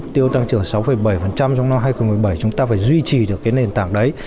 sáu bảy trong năm hai nghìn một mươi bảy chúng ta phải duy trì được nền tảng đấy